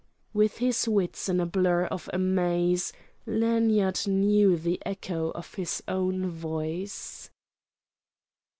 With his wits in a blur of amaze, Lanyard knew the echo of his own voice.